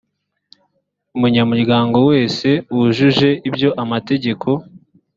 umunyamuryango wese wujuje ibyo amategeko